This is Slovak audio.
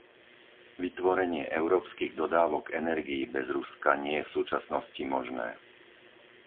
Vytvorenie európskych dodávok energií bez Ruska nie je v súčasnosti možné.